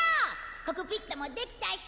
コックピットもできたし。